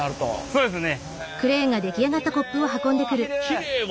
そうですね。